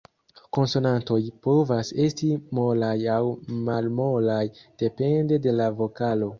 Konsonantoj povas esti molaj aŭ malmolaj depende de la vokalo.